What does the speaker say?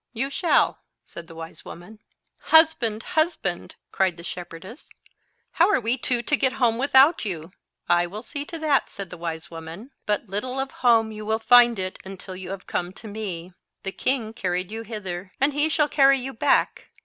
"You shall," said the wise woman. "Husband! husband!" cried the shepherdess, "how are we two to get home without you?" "I will see to that," said the wise woman. "But little of home you will find it until you have come to me. The king carried you hither, and he shall carry you back.